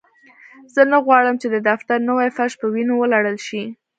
زه نه غواړم چې د دفتر نوی فرش په وینو ولړل شي